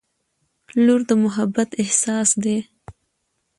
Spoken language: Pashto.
• لور د محبت احساس لري.